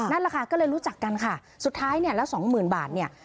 นั่นแหละค่ะก็เลยรู้จักกันค่ะสุดท้ายเนี่ยแล้วสองหมื่นบาทเนี่ย